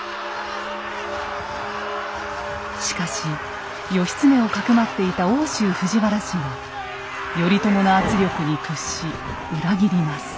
しかし義経をかくまっていた奥州藤原氏が頼朝の圧力に屈し裏切ります。